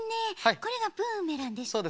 これがブーメランですか。